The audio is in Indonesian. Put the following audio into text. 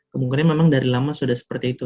kemungkinan memang dari lama sudah seperti itu